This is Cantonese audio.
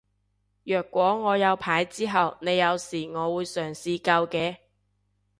若果我有牌之後你有事我會嘗試救嘅